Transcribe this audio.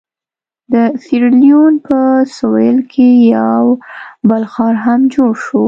د سیریلیون په سوېل کې یو بل ښار هم جوړ شو.